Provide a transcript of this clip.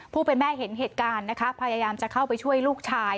ผู้เป็นแม่เห็นเหตุการณ์นะคะพยายามจะเข้าไปช่วยลูกชาย